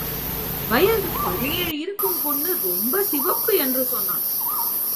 வயது பதினேழு இருக்கும் பொண்ணு ரொம்ப சிவப்பு என்று சொன்னான்.